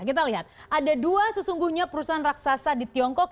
kita lihat ada dua sesungguhnya perusahaan raksasa di tiongkok